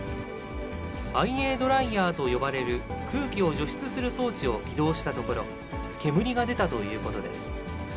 ＩＡドライヤーと呼ばれる空気を除湿する装置を起動したところ、煙が出たということです。